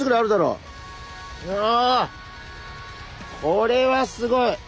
これはすごい。